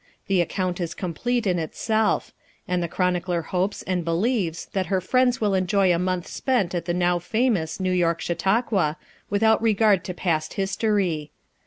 The ac count is complete in itself; and the chron icler hopes and believes that her friends will enjoy a month spent at the now famous New York Chautauqua, without regard to past his tory.